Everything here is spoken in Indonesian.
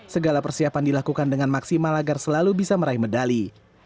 segala persiapan dilakukan dengan maksimal agar selalu bisa meraih medali